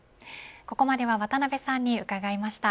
ここまでは渡辺さんに伺いました。